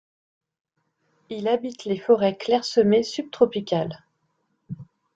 Il habite les forêts clairsemées subtropicales.